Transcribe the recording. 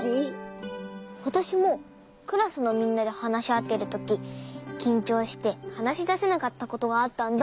わたしもクラスのみんなではなしあってるとききんちょうしてはなしだせなかったことがあったんだ。